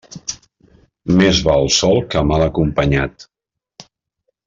Més val sol que mal acompanyat.